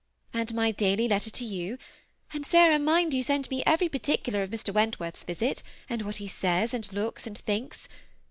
And my daily letter to you ; and, Sarah, mind you send me every particular of Mr. Wentworth's visit, and what he says, and looks, and thinks.